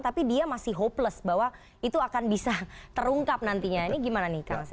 tapi dia masih hopeless bahwa itu akan bisa terungkap nantinya ini gimana nih kang asep